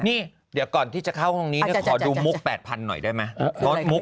นี่เดี๋ยวก่อนที่จะเข้าห้องนี้ขอดูมุกแปดพันธุ์หน่อยได้ไหม